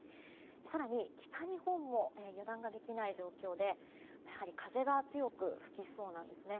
更に、北日本も油断ができないような状況でやはり、風が強く吹きそうなんですね。